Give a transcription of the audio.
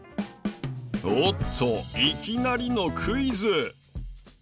おっといきなりのクイズ。